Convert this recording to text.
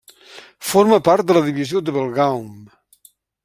Forma part de la divisió de Belgaum.